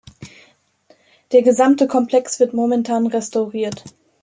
Der gesamte Komplex wird momentan restauriert.